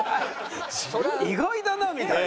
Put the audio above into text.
「意外だな」みたいな。